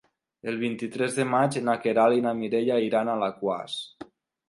El vint-i-tres de maig na Queralt i na Mireia iran a Alaquàs.